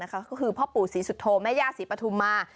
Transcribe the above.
ก็คือพ่อปู่ศรีสุโธแม่ย่าศรีปฐุมมา